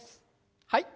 はい。